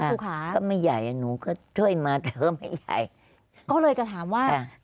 ครูขาก็ไม่ใหญ่หนูก็ช่วยมาเธอไม่ใหญ่ก็เลยจะถามว่าค่ะ